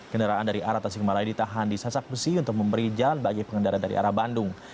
kendaraan dari arah tasikmalaya ditahan di sasak besi untuk memberi jalan bagi pengendara dari arah bandung